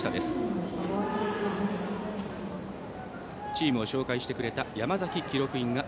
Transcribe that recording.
チームを紹介してくれた山崎記録員が